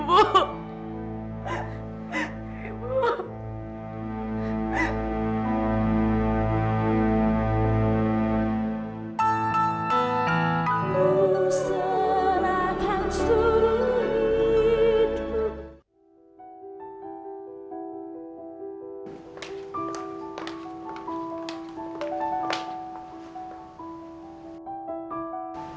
kuserahkan seluruh hidup